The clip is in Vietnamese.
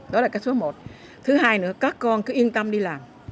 đó là cái số một thứ hai nữa các con cứ yên tâm đi làm